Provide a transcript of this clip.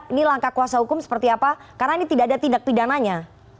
ini langkah kuasa hukum seperti apa karena ini tidak ada tindak pidananya